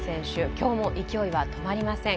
今日も勢いは止まりません。